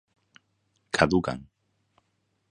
Caducan.